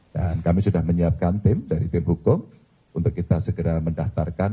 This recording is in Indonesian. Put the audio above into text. dan kami sudah menyiapkan tim dari tim hukum untuk kita segera mendaftarkan bakal besok atau sabtu